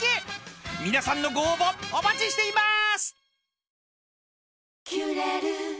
［皆さんのご応募お待ちしています！］